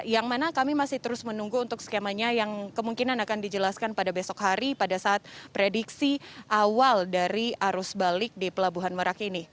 yang mana kami masih terus menunggu untuk skemanya yang kemungkinan akan dijelaskan pada besok hari pada saat prediksi awal dari arus balik di pelabuhan merak ini